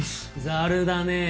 ザルだねえ